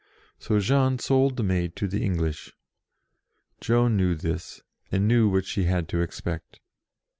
So Jean sold the Maid to the English. Joan knew this, and knew what she had to expect.